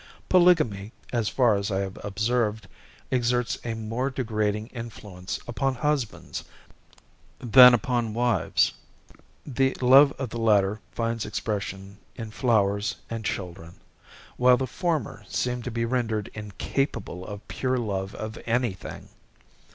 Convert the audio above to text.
Polygamy, as far as I have observed, exerts a more degrading influence upon husbands that upon wives. The love of the latter finds expression in flowers and children, while the former seem to be rendered incapable of pure love of anything.